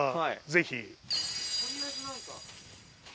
ぜひ。